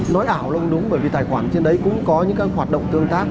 nói ảo là đúng bởi vì tài khoản trên đấy cũng có những cái hoạt động tương tác